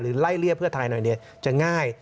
ไล่เลี่ยเพื่อไทยหน่อยจะง่าย